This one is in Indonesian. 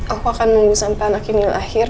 aku akan nunggu sampe anak ini lahir